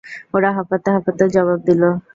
ওরা হাঁপাতে হাঁপাতে জবাব দিল -